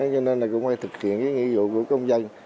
cho nên là cũng phải thực hiện cái nghĩa vụ của công dân